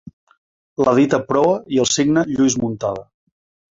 L'edita Proa i el signa Lluís Muntada.